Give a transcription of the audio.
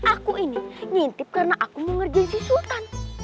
aku ini ngintip karena aku mau ngerjain si sultan